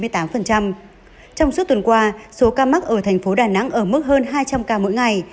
trong suốt tuần qua số ca mắc ở thành phố đà nẵng ở mức hơn hai trăm linh ca mỗi ngày